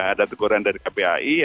ada teguran dari kpi